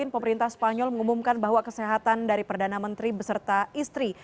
pemerintah spanyol mengumumkan bahwa kesehatan dari perdana menteri beserta istri